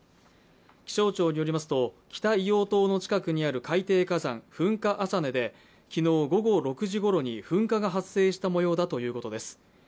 気象庁によりますと、北硫黄島の近くにある海底火山噴火浅根で昨日午後６時ごろに噴火が発生したもようだということです。